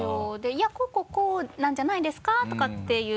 「いやこうこうこうなんじゃないですか？」とかっていう。